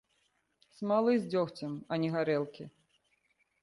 Смалы з дзёгцем, а не гарэлкі.